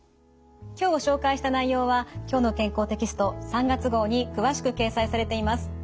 今日ご紹介した内容は「きょうの健康」テキスト３月号に詳しく掲載されています。